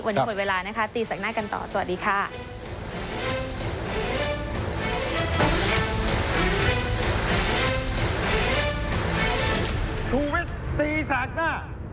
วันนี้หมดเวลานะคะตีแสกหน้ากันต่อสวัสดีค่ะ